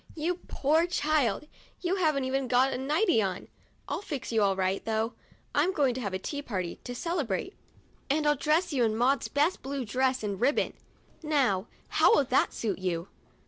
" You poor child ! You haven't even a * nighty' on. I'll fix you all right, though ; I'm going to have a tea party, to celebrate, and 25 THE DIARY OF A BIRTHDAY DOLL I'll dress you in Maud's best blue dress and ribbon. Now, how will that suit you?